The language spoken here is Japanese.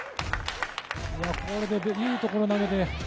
これ、いいところに投げて。